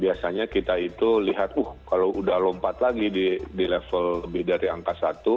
biasanya kita itu lihat kalau udah lompat lagi di level lebih dari angka satu